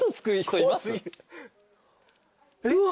うわ！